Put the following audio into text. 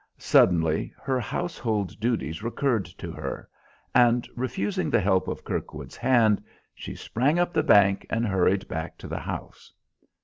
Suddenly her household duties recurred to her, and, refusing the help of Kirkwood's hand, she sprang up the bank and hurried back to the house.